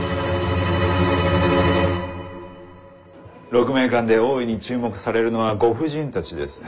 鹿鳴館で大いに注目されるのはご婦人たちです。